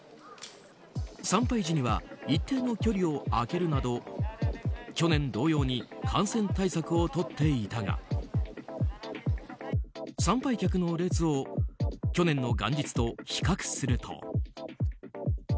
参拝時には一定の距離をあけるなど去年同様に感染対策をとっていたが参拝客の列を去年の元日と比較すると。